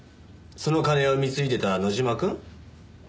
その金を貢いでた野島くん？